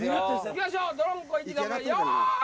いきましょう泥んこ息止めよい！